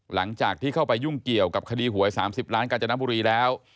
หลังจากที่เข้าไปยุ่งเกี่ยวกับคดีหวย๓๐ล้านกาญจนบุรีแล้ว